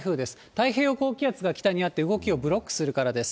太平洋高気圧が北にあって、動きをブロックするからです。